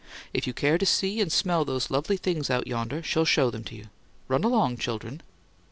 If you care to see and smell those lovely things out yonder, she'll show them to you. Run along, children!"